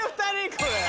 これ。